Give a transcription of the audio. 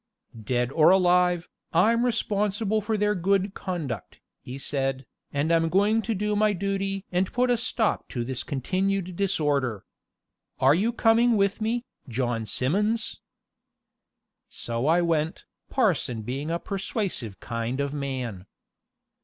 "Dead or alive, I'm responsible for their good conduct," he said, "and I'm going to do my duty and put a stop to this continued disorder. And you are coming with me, John Simmons." So I went, parson being a persuasive kind of man.